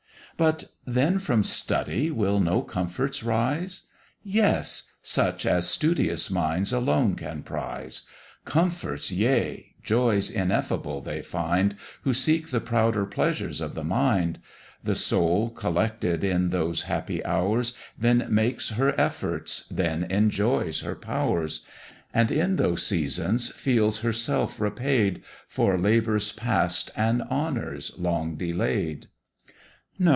"But then from Study will no comforts rise?" Yes! such as studious minds alone can prize; Comforts, yea! joys ineffable they find, Who seek the prouder pleasures of the mind: The soul, collected in those happy hours, Then makes her efforts, then enjoys her powers; And in those seasons feels herself repaid, For labours past and honours long delay'd. No!